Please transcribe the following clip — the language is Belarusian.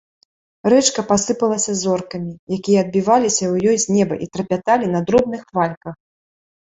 Рэчка пасыпалася зоркамі, якія адбіваліся ў ёй з неба і трапяталі на дробных хвальках.